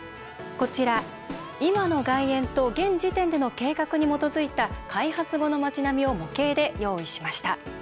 こちら、今の外苑と現時点での計画に基づいた開発後の町並みを模型で用意しました。